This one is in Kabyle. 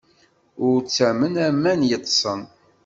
Ur ttamen aman yeṭṭsen.